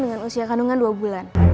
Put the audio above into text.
dengan usia kandungan dua bulan